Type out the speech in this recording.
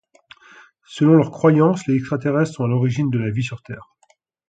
Selon leur croyance, les extraterrestres sont à l'origine de la vie sur Terre.